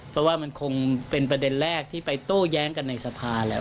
เพราะว่ามันคงเป็นประเด็นแรกที่ไปโต้แย้งกันในสภาแล้ว